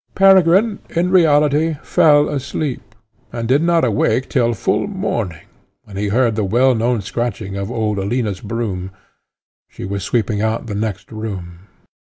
Peregrine, in reality, fell asleep, and did not awake till full morning, when he heard the well known scratching of old Alina's broom; she was sweeping out the next room.